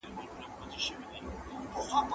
کله چي اطلاعات موجود وي، نو نوښت ممکن دی.